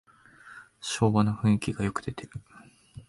昭和の雰囲気がよく出てる